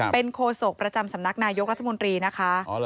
เป็นโคศกประจำสำนักนายกรัฐมนตรีนะคะ